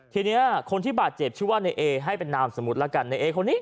ทีนี้คนที่บาดเจ็บชื่อว่าในเอให้เป็นนามสมมุติแล้วกันในเอคนนี้